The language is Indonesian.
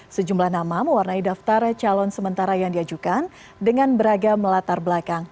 sejumlah nama mewarnai daftar calon sementara yang diajukan dengan beragam latar belakang